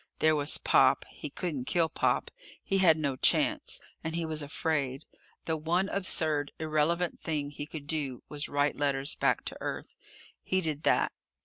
There was Pop. He couldn't kill Pop. He had no chance and he was afraid. The one absurd, irrelevant thing he could do was write letters back to Earth. He did that.